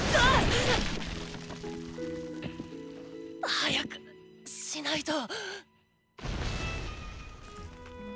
早くしないと。